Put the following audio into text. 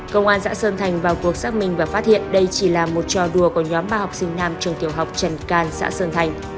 công an xã sơn thành vào cuộc xác minh và phát hiện đây chỉ là một trò đùa của nhóm ba học sinh nam trường tiểu học trần can xã sơn thành